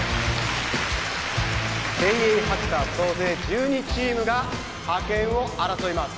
・精鋭ハッカー総勢１２チームが覇権を争います